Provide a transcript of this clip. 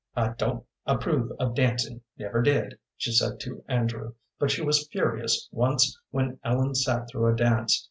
"I don't approve of dancing, never did," she said to Andrew, but she was furious once when Ellen sat through a dance.